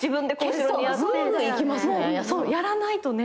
そうやらないとね。